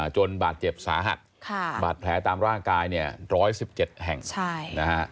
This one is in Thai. จนบาดเจ็บสาหัสที่บาดแผลมีร่างกาย๑๑๗แห่งนะครับค่ะ